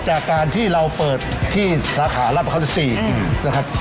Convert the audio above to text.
ก็จากการที่เราเปิดที่สาขาราชประเขา๑๔